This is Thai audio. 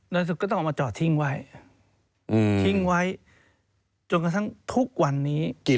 สุดก็ต้องเอามาจอดทิ้งไว้ทิ้งไว้จนกระทั่งทุกวันนี้กี่